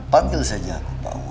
panggil saja aku pak wo